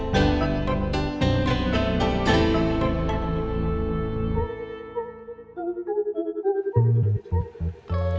siapa yang undang kamu